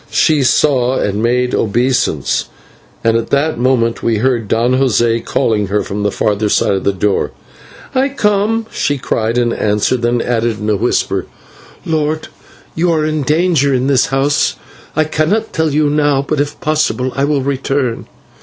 She saw and made obeisance, and at that moment we heard Don José calling her from the further side of the door. "I come," she cried in answer, then added in a whisper: "Lord, you are in danger in this house. I cannot tell you now, but if possible I will return.